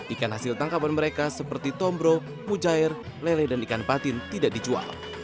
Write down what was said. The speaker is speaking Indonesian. ikan hasil tangkapan mereka seperti tombro mujair lele dan ikan patin tidak dijual